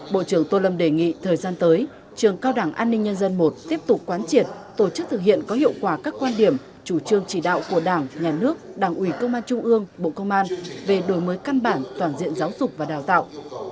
bộ trưởng tô lâm đề nghị thời gian tới trường cao đảng an ninh nhân dân i tiếp tục quán triệt tổ chức thực hiện có hiệu quả các quan điểm chủ trương chỉ đạo của đảng nhà nước đảng ủy công an trung ương bộ công an về đổi mới căn bản toàn diện giáo dục và đào tạo